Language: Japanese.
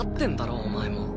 お前も。